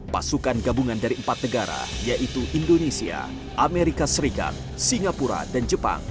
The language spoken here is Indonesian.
pasukan gabungan dari empat negara yaitu indonesia amerika serikat singapura dan jepang